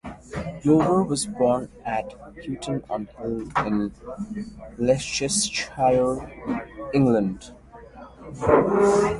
Glover was born at Houghton-on-Hill in Leicestershire, England.